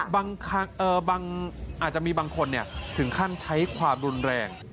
บางอาจจะมีบางคนถึงขั้นใช้ความรุนแรง